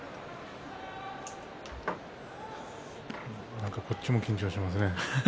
なんかこっちも緊張しますね。